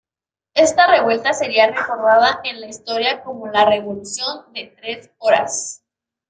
Esta revuelta sería recordada en la historia como "la revolución de tres horas".